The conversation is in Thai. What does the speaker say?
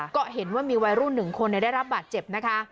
ก็เห็นว่ามีวัยรุ่น๑คนได้รับบาดเจ็บนะคะ